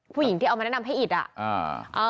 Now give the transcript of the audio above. ผู้หญิงที่เอามาแนะนำให้อิดอ่ะ